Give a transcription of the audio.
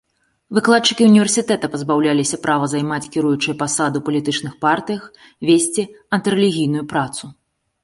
Выкладчыкі універсітэта пазбаўляліся права займаць кіруючыя пасады ў палітычных партыях, весці антырэлігійную працу.